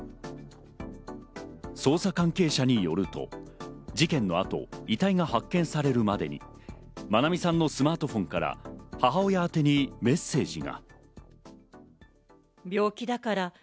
捜査関係者によると、事件の後、遺体が発見されるまでに、愛美さんのスマートフォンから母親宛てにメッセージが。